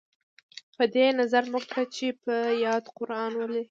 په دې یې نظر مه کړه چې په یاد قران لولي.